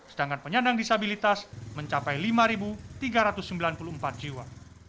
sedangkan penyandang disabilitas mencapai lima tiga ratus sembilan puluh empat jiwa